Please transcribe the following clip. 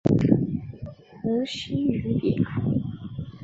蒙希于米埃。